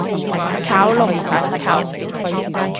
炒龍躉球